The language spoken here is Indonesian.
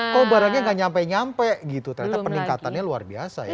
kok barangnya gak nyampe nyampe gitu ternyata peningkatannya luar biasa ya